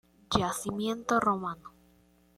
Yacimiento romano.